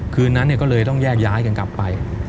คืนนั้นก็เลยต้องแยกย้ายกันกลับไป